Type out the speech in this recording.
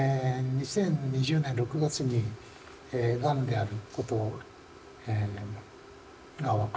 ２０２０年６月にがんであることが分かりましてですね